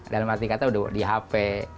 dalam arti kata udah di hp